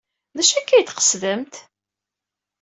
D acu akka ay d-tqesdemt?